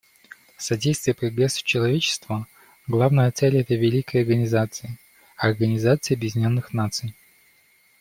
Содействие прогрессу человечества — главная цель этой великой организации, Организации Объединенных Наций.